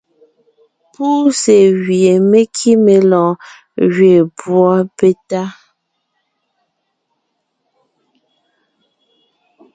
Púse gwie me kíme lɔɔn gẅeen púɔ petá.